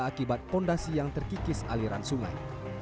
akibat fondasi yang terkikis aliran sungai